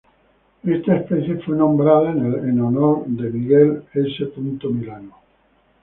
Esta especie fue nombrada en el honor de Miguel S. Milano.